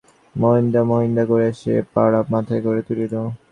মহিনদা মহিনদা করিয়া সে পাড়া মাথায় করিয়া তুলিত।